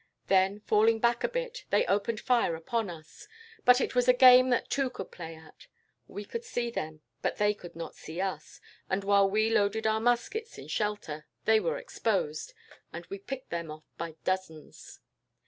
Then, falling back a bit, they opened fire upon us, but it was a game that two could play at. We could see them, but they could not see us; and while we loaded our muskets in shelter, they were exposed, and we picked them off by dozens.